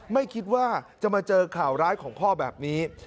ไม่คิดว่าจะมาเจอข่าวร้ายของพ่อแบบนี้